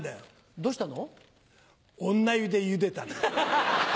どうしたの？